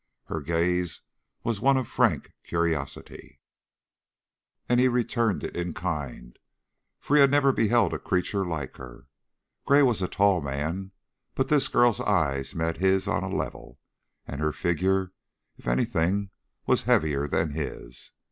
Her gaze was one of frank curiosity, and he returned it in kind, for he had never beheld a creature like her. Gray was a tall man, but this girl's eyes met his on a level, and her figure, if anything, was heavier than his.